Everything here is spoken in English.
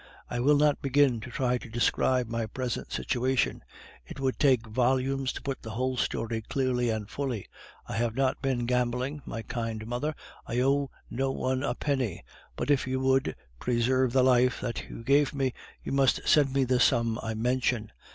I will not begin to try to describe my present situation; it would take volumes to put the whole story clearly and fully. I have not been gambling, my kind mother, I owe no one a penny; but if you would preserve the life that you gave me, you must send me the sum I mention.